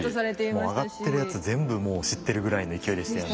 もうあがってるやつ全部もう知ってるぐらいの勢いでしたよね。